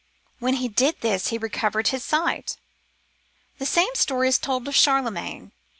When he did this he recovered his sight. The same story is told of Charlemagne.